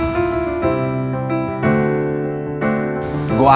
gua akan memperjuangkan cinta kita